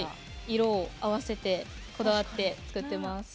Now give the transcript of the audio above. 色を合わせてこだわって作ってます。